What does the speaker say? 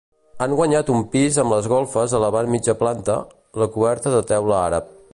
Han guanyat un pis amb les golfes elevant mitja planta, la coberta de teula àrab.